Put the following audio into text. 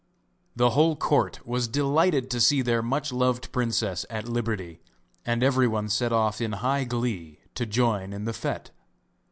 The whole court was delighted to see their much loved princess at liberty, and everyone set off in high glee to join in the fête.